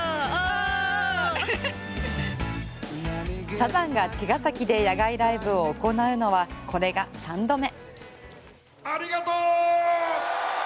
サザンが茅ヶ崎で野外ライブを行うのはこれが３度目。